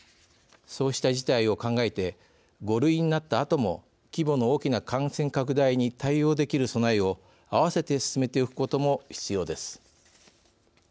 そうした事態を考えて５類になったあとも規模の大きな感染拡大に対応できる備えを併せて進めておくことも必要です。